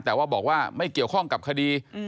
แต่ว่าบอกว่าไม่เกี่ยวข้องกับคดี